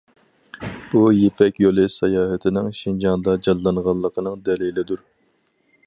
بۇ يىپەك يولى ساياھىتىنىڭ شىنجاڭدا جانلانغانلىقىنىڭ دەلىلىدۇر.